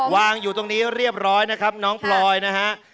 วางอยู่ตรงนี้เรียบร้อยนะครับน้องพลอยนะฮะ